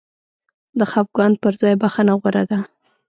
د خفګان پر ځای بخښنه غوره ده.